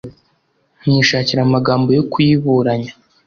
nkishakira amagambo yo kuyiburanya’